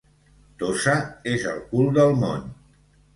Tossa és el cul del món.